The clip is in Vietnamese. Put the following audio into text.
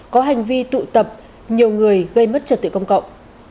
có hành vi tụ tập nhiều người gây mất trật tự công cộng